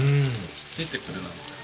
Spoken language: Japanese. ひっついてくるなんて。